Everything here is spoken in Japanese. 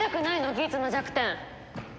ギーツの弱点。